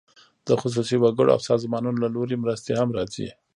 د خصوصي وګړو او سازمانونو له لوري مرستې هم راځي.